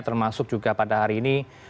termasuk juga pada hari ini